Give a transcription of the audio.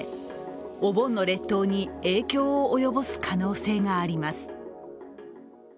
お盆の列島に影響を及ぼす可能性があります。